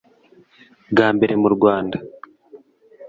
Bwa mbere mu Rwanda